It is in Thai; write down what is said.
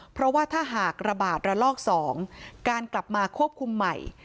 เพราะว่าถ้าหากระบาดระลอก๒การกลับมาควบคุมใหม่